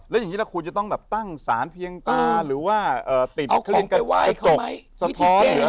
แล้วอย่างนี้คุณจะต้องตั้งสารเพียงตาหรือว่าติดกระจกสะท้อน